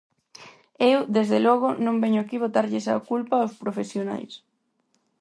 Eu, desde logo, non veño aquí botarlles a culpa aos profesionais.